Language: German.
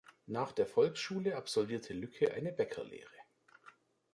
Nach der Volksschule absolvierte Lücke eine Bäckerlehre.